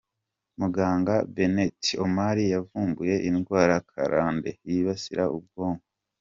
Muganga Bennet Omalu yavumbuye indwara karande yibasira ubwonko.